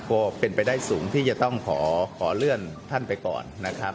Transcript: ก็เป็นไปได้สูงที่จะต้องขอเลื่อนท่านไปก่อนนะครับ